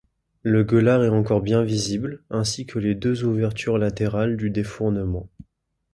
Le gueulard est encore bien visible, ainsi que les deux ouvertures latérales du défournement.